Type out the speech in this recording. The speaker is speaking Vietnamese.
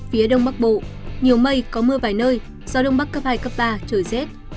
phía đông bắc bộ nhiều mây có mưa vài nơi gió đông bắc cấp hai cấp ba trời rét